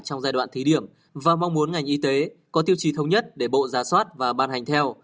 trong giai đoạn thí điểm và mong muốn ngành y tế có tiêu chí thống nhất để bộ ra soát và ban hành theo